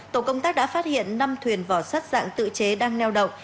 tổ công tác đã phát hiện năm thuyền vỏ sắt dạng tự chế đang neo đậu